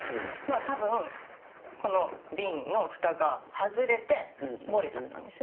多分この瓶のフタが外れて漏れちゃったんですよね。